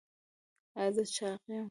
ایا زه چاغ یم؟